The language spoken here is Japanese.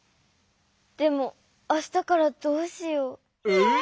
でもあしたからどうしよう。え？